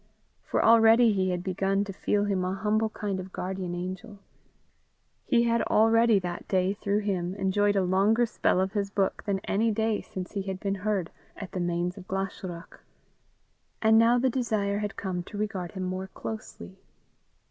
For already he had begun to feel him a humble kind of guardian angel. He had already that day, through him, enjoyed a longer spell of his book, than any day since he had been herd at the Mains of Glashruach. And now the desire had come to regard him more closely.